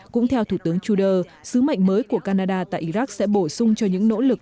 cũng theo thủ tướng trudeau sứ mệnh mới của canada tại iraq sẽ bổ sung cho những nỗ lực